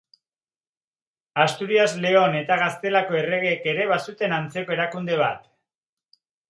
Asturias-Leon eta Gaztelako erregeek ere bazuten antzeko erakunde bat.